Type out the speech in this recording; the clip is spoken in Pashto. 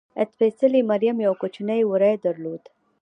سپېڅلې مریم یو کوچنی وری درلود.